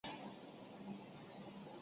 时为十月癸酉朔十八日庚寅。